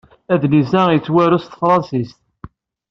Adlis-a yettwaru s tefṛensist.